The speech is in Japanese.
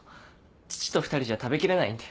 父と２人じゃ食べきれないんで。